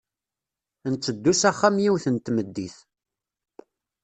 Ntteddu s axxam yiwet n tmeddit.